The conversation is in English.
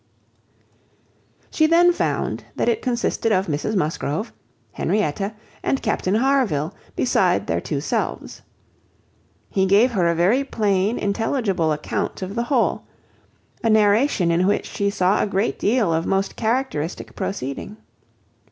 She then found that it consisted of Mrs Musgrove, Henrietta, and Captain Harville, beside their two selves. He gave her a very plain, intelligible account of the whole; a narration in which she saw a great deal of most characteristic proceeding.